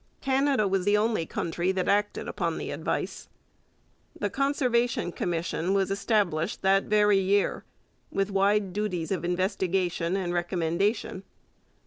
Canada was the only country that acted upon the advice. The Conservation Commission was established that very year, with wide duties of investigation and recommendation.